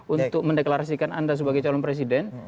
untuk mendeklarasikan anda sebagai calon presiden